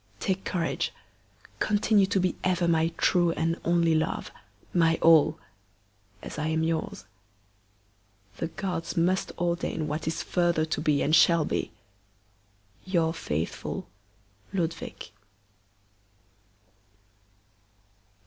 Take courage! Continue to be ever my true and only love, my all! as I am yours. The gods must ordain what is further to be and shall be! Your faithful LUDWIG.